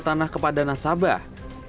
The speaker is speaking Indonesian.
tanah kepada nasabah